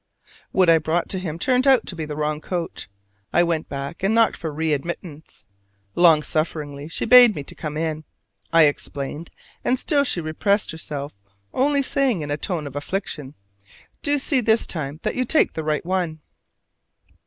What I brought to him turned out to be the wrong coat: I went back and knocked for readmittance. Long sufferingly she bade me to come in. I explained, and still she repressed herself, only saying in a tone of affliction, "Do see this time that you take the right one!"